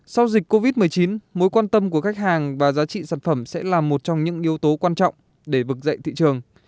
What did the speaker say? sau dịch covid một mươi chín mối quan tâm của khách hàng và giá trị sản phẩm sẽ là một trong những yếu tố quan trọng để vực dậy thị trường